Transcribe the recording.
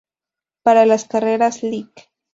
Para las carreras Lic.